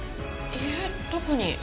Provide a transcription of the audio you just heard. いえ特に。